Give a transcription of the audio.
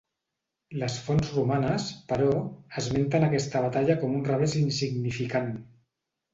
Les fonts romanes, però, esmenten aquesta batalla com un revés insignificant.